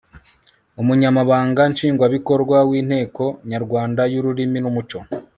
umunyamabanga nshingwabikorwa w'inteko nyarwanda y'ururimi n'umuco